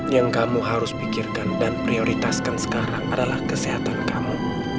yang kamu harus pikirkan dan prioritaskan sekarang adalah kesehatan kamu